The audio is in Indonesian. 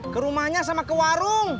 ke rumahnya sama ke warung